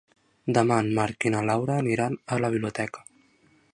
Demà en Marc i na Laura aniran a la biblioteca.